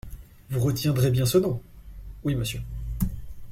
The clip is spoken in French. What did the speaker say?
Vous retiendrez bien ce nom ? Oui, monsieur.